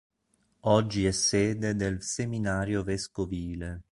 Oggi è sede del seminario vescovile.